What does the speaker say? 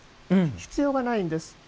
必要がないんです。